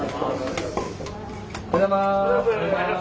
おはようございます。